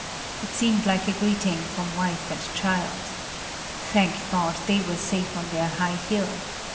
It seemed like a greeting from wife and child. Thank God, they were safe on their high hill!